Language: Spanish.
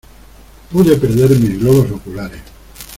Pude perder mis globos oculares...